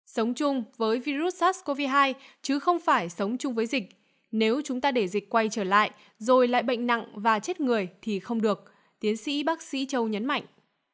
sống chung với virus sars cov hai chứ không phải sống chung với dịch nếu chúng ta để dịch quay trở lại rồi lại bệnh nặng và chết người thì không được tiến sĩ bác sĩ châu nhấn mạnh